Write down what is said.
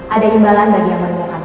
ada imbalan bagi yang mereka